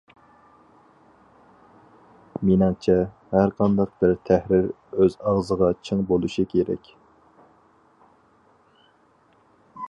مېنىڭچە، ھەرقانداق بىر تەھرىر ئۆز ئاغزىغا چىڭ بولۇشى كېرەك.